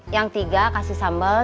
yang tiga kasih sambel